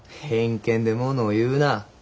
偏見でものを言うな。